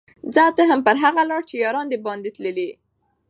ځه ته هم پر هغه لاره چي یاران دي باندي تللي